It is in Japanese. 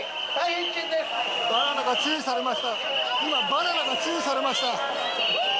バナナが注意されました。